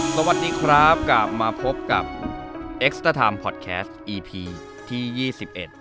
สวัสดีครับกลับมาพบกับเอ็กซ์เตอร์ไทม์พอดแคสต์อีพีที่ยี่สิบเอ็ด